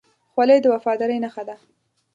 خولۍ د وفادارۍ نښه ده.